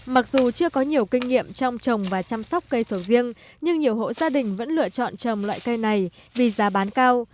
mặc dù chưa có nhiều kinh nghiệm trong trồng và chăm sóc cây sầu riêng nhưng nhiều hộ gia đình vẫn lựa chọn trồng loại cây này vì giá bán cao